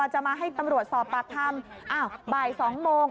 จะมาให้ตำรวจสอบปากคำอ้าวบ่าย๒โมง